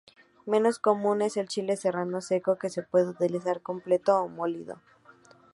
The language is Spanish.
Menos común es el chile serrano seco, que se puede utilizar completo o molido.